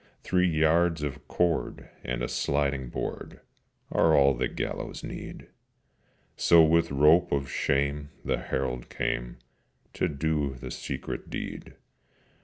Three yards of cord and a sliding board Are all the gallows' need: So with rope of shame the Herald came To do the secret deed.